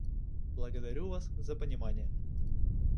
Благодарю вас за понимание.